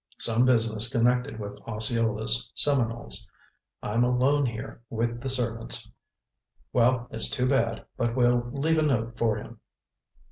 Some business connected with Osceola's Seminoles. I'm alone here with the servants. Well, it's too bad, but we'll leave a note for him."